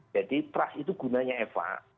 jadi trust itu gunanya faa